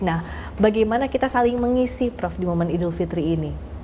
nah bagaimana kita saling mengisi prof di momen idul fitri ini